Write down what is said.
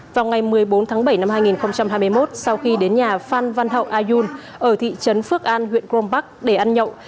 vào ngày một mươi bốn tháng bảy năm hai nghìn hai mươi một sau khi đến nhà phan văn hậu ayun ở thị trấn phước an huyện crong bắc để ăn nhậu